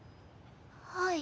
はい。